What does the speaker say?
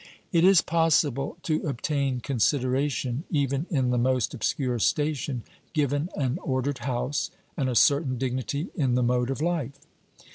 It is possible to obtain consideration even in the most obscure station, given an ordered house and a certain dignity in the mode of life.